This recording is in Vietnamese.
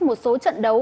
một số trận đấu